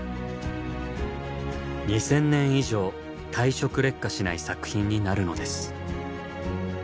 ２，０００年以上退色劣化しない作品になるのです。